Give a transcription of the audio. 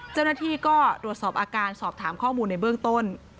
เจ้าหน้าที่ก็ตรวจสอบอาการสอบถามข้อมูลในเบื้องต้น